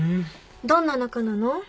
どんな仲なの？